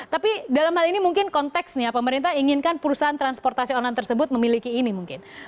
tapi dalam hal ini mungkin konteksnya pemerintah inginkan perusahaan transportasi online tersebut memiliki ini mungkin